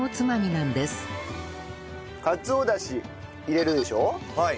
かつおダシ入れるでしょ。